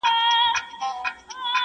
څه انګور او څه شراب څه میکدې سه,